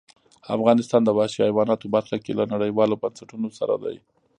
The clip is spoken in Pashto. افغانستان د وحشي حیواناتو برخه کې له نړیوالو بنسټونو سره دی.